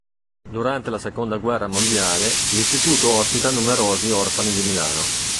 Durante la seconda guerra mondiale l'istituto ospita numerosi orfani di Milano.